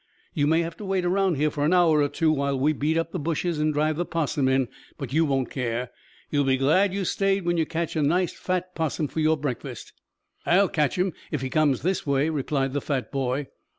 "You may have to wait around here for an hour or two while we beat up the bushes and drive the 'possum in, but you won't care. You'll be glad you stayed when you get a nice fat 'possum for your breakfast." "I'll catch him if he comes this way," replied the fat boy.